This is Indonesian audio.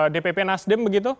dpp nasdem begitu